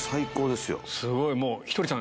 すごいもうひとりさん。